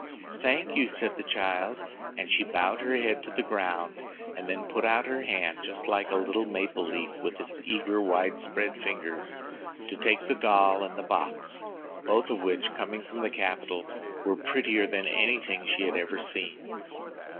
"Thank you," said the child, as she bowed her head to the ground, and then put out her hand just like a little maple leaf with its eager wide spread fingers to take the doll and the box, both of which, coming from the capital, were prettier than anything she had ever seen.